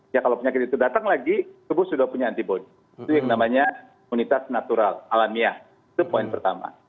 ya kalau penyakit itu datang lagi tubuh sudah punya antibody itu yang namanya imunitas natural alamiah itu poin pertama